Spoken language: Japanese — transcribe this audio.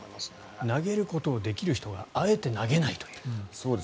投げることをできる人があえて投げないという。